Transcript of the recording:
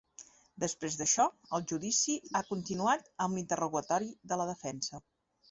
Després d’això, el judici ha continuat amb l’interrogatori de la defensa.